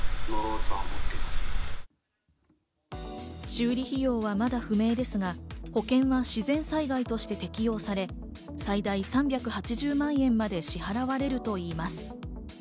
修理費用はまだ不明ですが、保険が自然災害として適用され、最大３８０万円まで支払われるといいます。